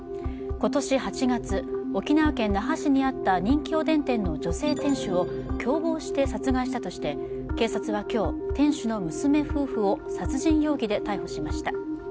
今年８月、沖縄県那覇市にあった人気おでん店の女性店主を共謀して殺害したとして警察は今日、店主の娘夫婦を殺人容疑で逮捕しました。